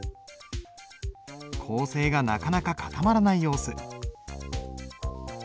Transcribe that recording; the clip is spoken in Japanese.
構成がなかなか固まらない様子。